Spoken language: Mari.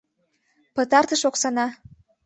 — Пытартыш оксана.